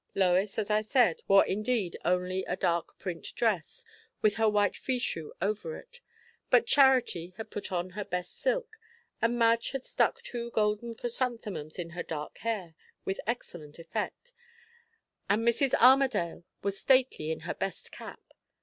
Lois, as I said, wore indeed only a dark print dress, with her white fichu over it; but Charity had put on her best silk, and Madge had stuck two golden chrysanthemums in her dark hair (with excellent effect), and Mrs. Armadale was stately in her best cap.